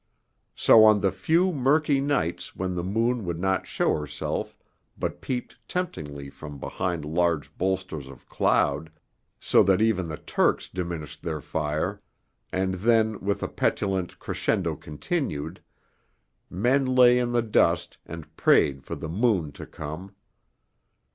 So on the few murky nights when the moon would not show herself but peeped temptingly from behind large bolsters of cloud, so that even the Turks diminished their fire, and then with a petulant crescendo continued, men lay in the dust and prayed for the moon to come.